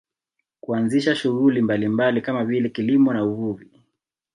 Kuanzisha shughuli mbalimbali kama vile kilimo na uvuvi